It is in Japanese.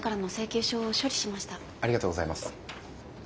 ありがとうございます。